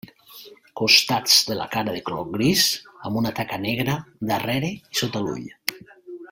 Costats de la cara de color gris amb una taca negra darrere i sota l'ull.